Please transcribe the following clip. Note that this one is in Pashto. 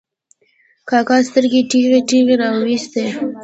کاکا سترګې ټېغې ټېغې را وایستې.